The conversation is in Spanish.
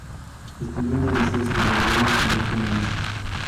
Estudió en el Liceo Salvadoreño, colegio marista.